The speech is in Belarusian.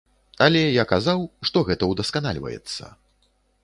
Але я казаў, што гэта удасканальваецца.